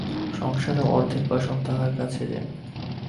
সংসারের অর্ধেক বাসন তাহার কাছে যে!